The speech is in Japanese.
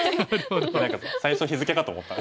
何か最初日付かと思った。